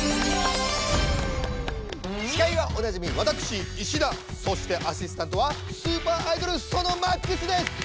司会はおなじみわたくしそしてアシスタントはスーパーアイドルソノマックスです！